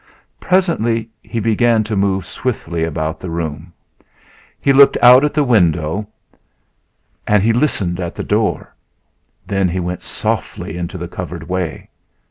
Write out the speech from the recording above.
Presently he began to move swiftly about the room. He looked out at the window and he listened at the door; then he went softly into the covered way.